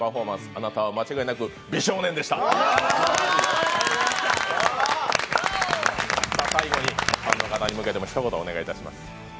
あなたは間違いなく美少年でした最後にファンの方に向けて、ひと言お願いします。